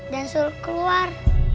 dan suruh keluar